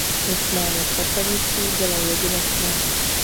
Nicméně předsednictví bylo jedinečné.